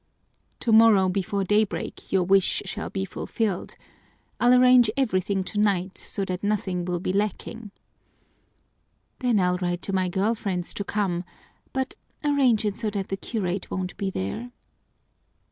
"Tomorrow before daybreak your wish shall be fulfilled. I'll arrange everything tonight so that nothing will be lacking." "Then I'll write to my girl friends to come. But arrange it so that the curate won't be there."